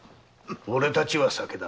俺たちは酒だ。